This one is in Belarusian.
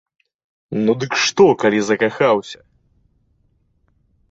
Ну, дык што, калі закахаўся?